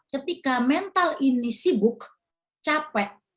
ketika mental ini sibuk capek